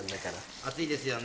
熱いですよね？